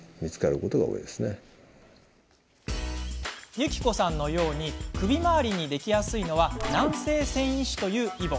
ゆきこさんのように首周りにできやすいのは「軟性線維腫」というイボ。